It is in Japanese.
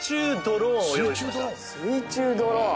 水中ドローン。